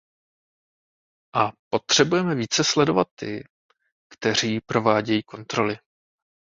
A potřebujeme více sledovat ty, kteří provádějí kontroly.